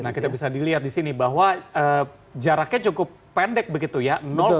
nah kita bisa dilihat di sini bahwa jaraknya cukup pendek begitu ya